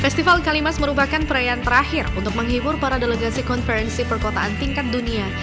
festival kalimas merupakan perayaan terakhir untuk menghibur para delegasi konferensi perkotaan tingkat dunia